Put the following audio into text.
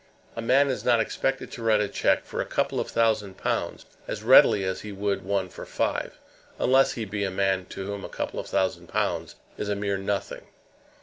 A man is not expected to write a cheque for a couple of thousand pounds as readily as he would one for five, unless he be a man to whom a couple of thousand pounds is a mere nothing.